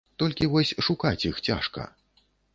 Толькі вось шукаць іх цяжка.